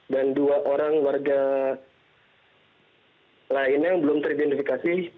dan dua orang warga lainnya yang belum teridentifikasi